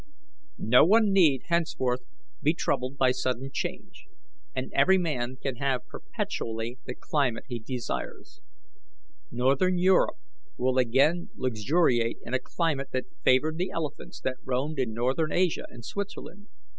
"No one need henceforth be troubled by sudden change, and every man can have perpetually the climate he desires. Northern Europe will again luxuriate in a climate that favoured the elephants that roamed in northern Asia and Switzerland.